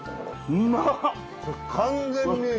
うまっ！